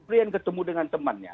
dia ketemu dengan temannya